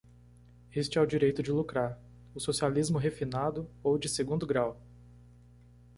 Este é o direito de lucrar, o socialismo refinado ou de segundo grau.